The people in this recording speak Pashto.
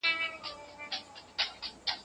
لارښود په ډېره ښه مشوره سره ټاکل سوی دی.